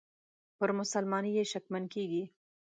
پر مسلماني یې شکمن کیږي.